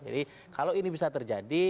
jadi kalau ini bisa terjadi